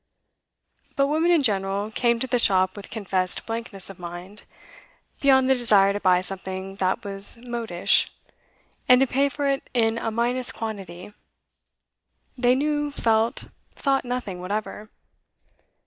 But women in general came to the shop with confessed blankness of mind; beyond the desire to buy something that was modish, and to pay for it in a minus quantity, they knew, felt, thought nothing whatever.